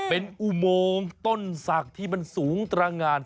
เป็นอุโมงต้นศักดิ์ที่มันสูงตรงาน